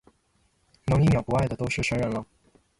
能一秒不爱的都是神人了